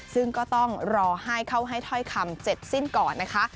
ซึ่งก็ต้องรอให้เข้าให้ถ้อยคำเสร็จสิ้นก่อนนะคะ